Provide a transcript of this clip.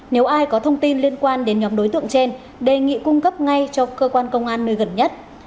nếu ai có thông tin liên quan đến nhóm đối tượng trên đề nghị cung cấp ngay cho cơ quan công an nơi gần nhất